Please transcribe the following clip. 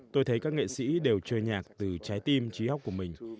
tôi thấy các nghệ sĩ đều chơi nhạc từ trái tim trí hóc của mình